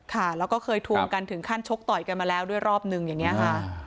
ค่ะแล้วก็เคยทวงกันถึงขั้นชกต่อยกันมาแล้วด้วยรอบนึงอย่างนี้ค่ะ